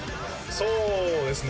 そうですね。